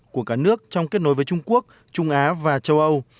của cả nước trong kết nối với trung quốc trung á và châu âu